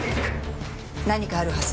何かあるはず。